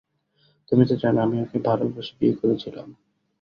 তুমি তো জানো আমি ওকে ভালোবেসে বিয়ে করেছিলাম?